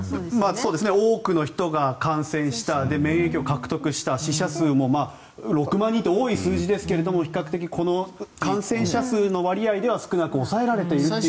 多くの人が感染した免疫を獲得した死者数も６万人って多い数字ですけど比較的、感染者数の割合では少なく抑えられているという。